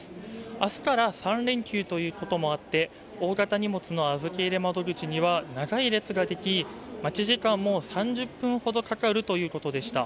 明日から３連休ということもあって大型荷物の預け入れ窓口には長い列ができ、待ち時間も３０分ほどかかるということでした。